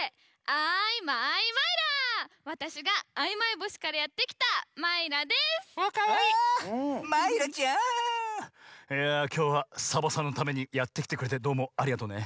あマイラちゃん！いやきょうはサボさんのためにやってきてくれてどうもありがとね。